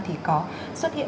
thì có xuất hiện